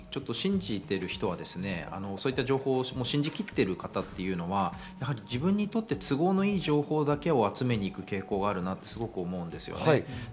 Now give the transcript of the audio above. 今、おっしゃったように信じている人はそういった情報を信じきっているという方は自分にとって都合のいい情報だけを集めに行く傾向があるなとすごく思うんです。